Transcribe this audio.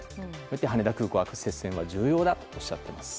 羽田空港アクセス線は重要だとおっしゃっています。